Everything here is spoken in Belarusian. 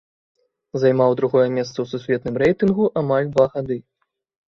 Займаў другое месца ў сусветным рэйтынгу амаль два гады.